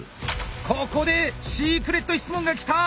ここでシークレット質問が来た！